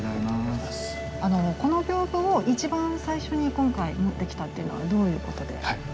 この風を一番最初に今回持ってきたっていうのはどういうことで？